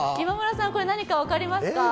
これ、何か分かりますか？